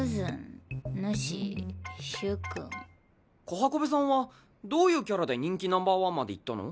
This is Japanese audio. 小繁縷さんはどういうキャラで人気ナンバーワンまでいったの？